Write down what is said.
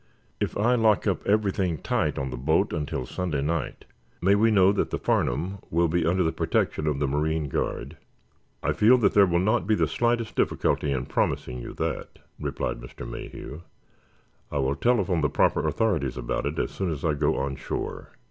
If I lock up everything tight on the boat until Sunday night, may we know that the 'Farnum' will be under the protection of the marine guard?" "I feel that there will not be the slightest difficulty in promising you that," replied Mr. Mayhew. "I will telephone the proper authorities about it as soon as I go on shore."